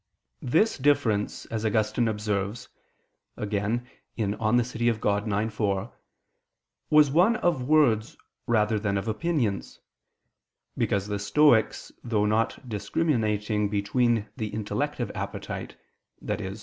This difference, as Augustine observes (De Civ. Dei ix, 4), was one of words rather than of opinions. Because the Stoics, through not discriminating between the intellective appetite, i.e.